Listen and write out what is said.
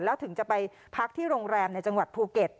แล้วถึงจะไปพักที่โรงแรมในจังหวัดภูเก็ต